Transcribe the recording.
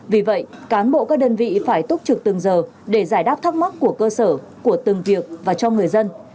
vì vậy cán bộ các đơn vị phải túc trực từng giờ để giải đáp thắc mắc của cơ sở của từng việc và cho người dân